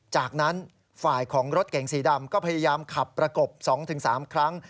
จากนั้นฝ่ายของรถเก๋งสีดำก็พยายามขับประกบ๒๓ครั้ง